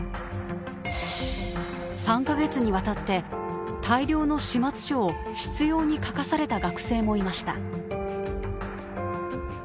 ３カ月にわたって大量の始末書を執拗に書かされた学生もいました。